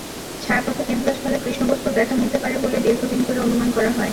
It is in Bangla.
ছায়াপথের কেন্দ্রস্থলে কৃষ্ণবস্তুর দেখা মিলতে পারে বলে দীর্ঘদিন ধরে অনুমান করা হয়।